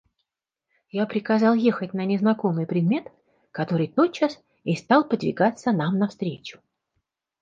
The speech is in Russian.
Я приказал ехать на незнакомый предмет, который тотчас и стал подвигаться нам навстречу.